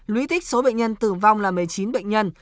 lũy tích số bệnh nhân tử vong là một mươi chín bệnh nhân